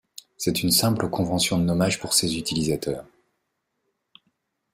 C'est une simple convention de nommage pour ses utilisateurs.